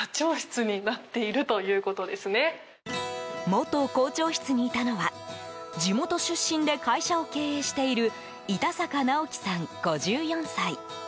元校長室にいたのは地元出身で会社を経営している板坂直樹さん、５４歳。